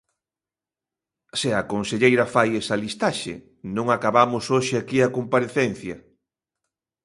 Se a conselleira fai esa listaxe, non acabamos hoxe aquí a comparecencia.